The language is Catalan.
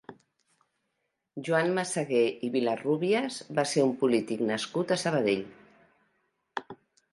Joan Massagué i Vilarrúbias va ser un polític nascut a Sabadell.